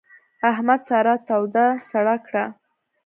احمد سارا توده سړه کړه.